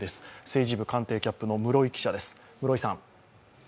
政治部官邸キャップの室井記者です。